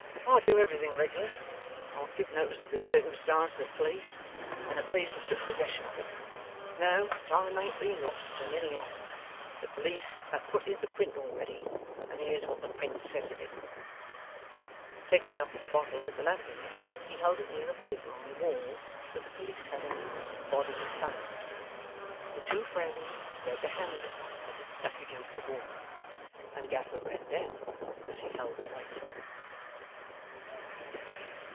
I do everything reg'lar. I've giv' notice of the circumstarnce to the police, and the police have took possession of it. No time ain't been lost, on any hand. The police have put into print already, and here's what the print says of it.' Taking up the bottle with the lamp in it, he held it near a paper on the wall, with the police heading, BODY FOUND. The two friends read the handbill as it stuck against the wall, and Gaffer read them as he held the light.